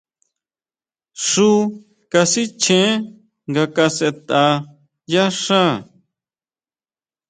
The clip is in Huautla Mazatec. Xu kasichjen nga kasʼetʼa yá xá.